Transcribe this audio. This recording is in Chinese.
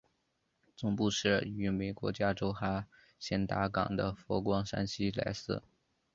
总部设于美国加州哈仙达岗的佛光山西来寺。